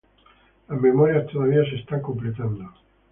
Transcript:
Las memorias todavía se están completando.